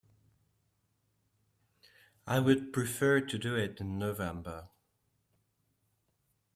I would prefer to do it in November.